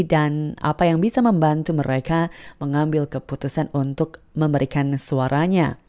dan apa yang bisa membantu mereka mengambil keputusan untuk memberikan suaranya